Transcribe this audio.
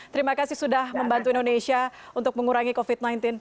terima kasih sudah membantu indonesia untuk mengurangi covid sembilan belas